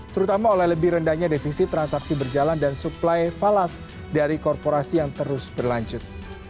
terutama oleh lebih rendahnya defisi transaksi berjalan dan suplai falas dari korporasi yang terus berlanjut